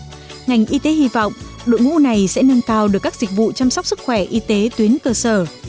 hành y tế hy vọng đội ngũ này sẽ nâng cao được các dịch vụ chăm sóc sức khỏe y tế tuyến cơ sở